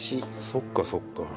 そっかそっか。